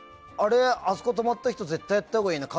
あそこ泊まった人絶対やったほうがいいよね